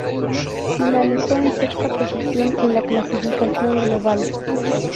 Finalizó en sexta posición en la clasificación global.